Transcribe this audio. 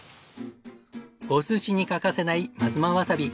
お寿司に欠かせない真妻わさび。